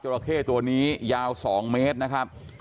ราเข้ตัวนี้ยาว๒เมตรนะครับ